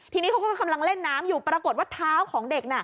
ทีนี้เขาก็กำลังเล่นน้ำอยู่ปรากฏว่าเท้าของเด็กน่ะ